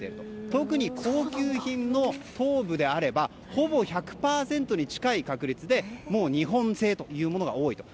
特に高級品のトーブであればほぼ１００％に近い確率で日本製というものが多いと。